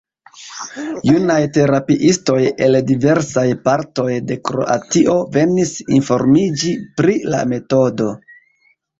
Junaj terapiistoj el diversaj partoj de Kroatio venis informiĝi pri la metodo.